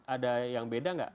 ada yang beda enggak